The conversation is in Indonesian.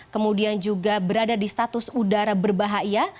kemudian juga berada di status udara berbahaya